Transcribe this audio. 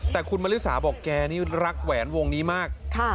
แต่คุณมริสาบอกแกนี่รักแหวนวงนี้มาก